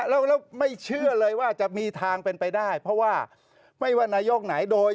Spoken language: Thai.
แล้วไม่เชื่อเลยว่าจะมีทางเป็นไปได้เพราะว่าไม่ว่านายกไหนโดย